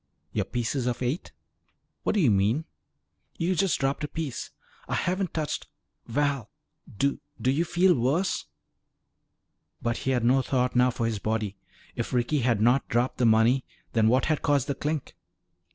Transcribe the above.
"Your pieces of eight." "What do you mean?" "You just dropped a piece." "I haven't touched Val, do do you feel worse?" But he had no thought now for his body. If Ricky had not dropped the money, then what had caused the clink?